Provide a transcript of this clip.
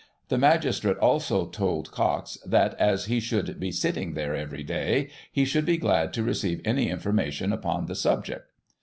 . The magistrate also told Cox that, as he should be sitting there every day, he should be glad to receive any informa : tion upon the subject